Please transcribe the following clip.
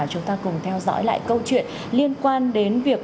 chúng ta cùng theo dõi lại câu chuyện liên quan đến việc